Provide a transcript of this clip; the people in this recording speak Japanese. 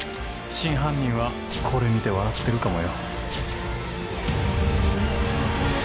真犯人はこれ見て笑ってるかもよ。